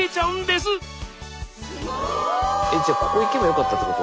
すごい！えっじゃあここ行けばよかったってこと？